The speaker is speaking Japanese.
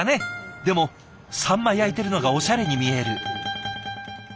でもサンマ焼いてるのがおしゃれに見える。